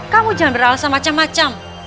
kamu jangan beralasan macam macam